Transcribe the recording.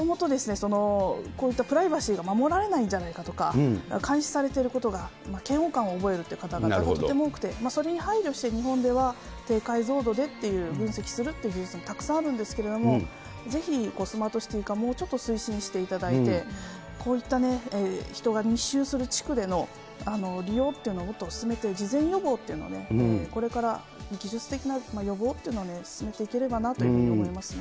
もともとですね、こういったプライバシーが守られないんじゃないかとか、監視されてることが嫌悪感をおぼえるという方がとっても多くて、それに配慮して日本では、低解像度で分析するという技術はたくさんあるんですけれども、ぜひスマートシティ化、もう少し推進していただいて、こういった人が密集する地区での利用っていうのをもっと進めていただいて、事前予防というのをこれから技術的な予防っていうのをね、進めていければなと思いますね。